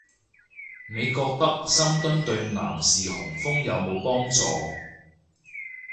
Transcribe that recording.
你覺得深蹲對男士雄風有冇幫助